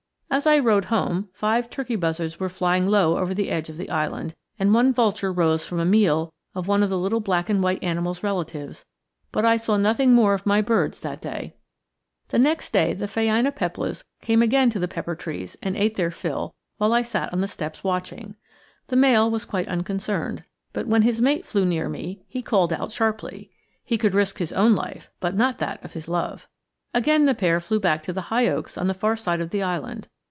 As I rode home, five turkey buzzards were flying low over the edge of the island, and one vulture rose from a meal of one of the little black and white animal's relatives, but I saw nothing more of my birds that day. The next day the phainopeplas came again to the pepper trees and ate their fill while I sat on the steps watching. The male was quite unconcerned, but when his mate flew near me, he called out sharply; he could risk his own life, but not that of his love. Again the pair flew back to the high oaks on the far side of the island.